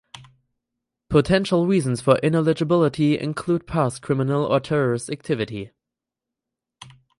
Potential reasons for ineligibility include past criminal or terrorist activity.